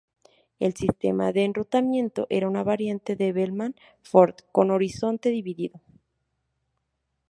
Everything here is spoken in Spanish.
El sistema de enrutamiento era una variante de Bellman-Ford con horizonte dividido.